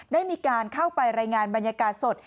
ได้มีการเข้าไปรายงานบรรยากาศสด